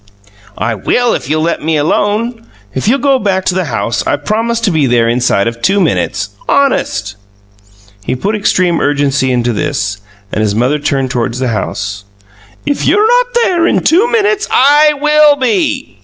"I will if you'll let me alone. If you'll go on back to the house I promise to be there inside of two minutes. Honest!" He put extreme urgency into this, and his mother turned toward the house. "If you're not there in two minutes " "I will be!"